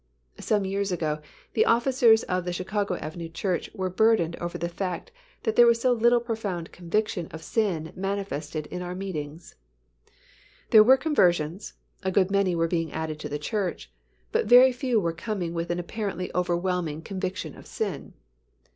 Some years ago, the officers of the Chicago Avenue Church were burdened over the fact that there was so little profound conviction of sin manifested in our meetings. There were conversions, a good many were being added to the church, but very few were coming with an apparently overwhelming conviction of sin.